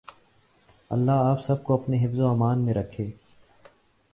اللہ آپ سب کو اپنے حفظ و ایمان میں رکھے۔